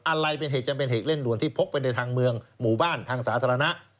อะไรเป็นเหตุจำเป็นเหตุเร่งด่วนที่พกไปในทางเมืองหมู่บ้านทางสาธารณะ